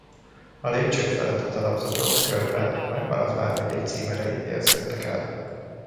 A lépcsők felett a talapzaton körben a megmaradt vármegyék címerei helyezkedtek el.